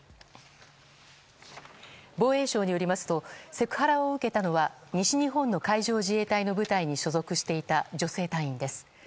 防衛省によりますとセクハラを受けたのは西日本の海上自衛隊の部隊に所属していた女性隊員です。